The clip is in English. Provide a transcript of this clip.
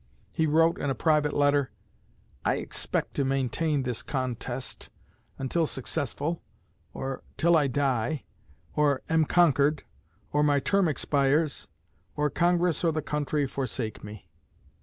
He wrote in a private letter: "I expect to maintain this contest until successful, or till I die, or am conquered, or my term expires, or Congress or the country forsake me."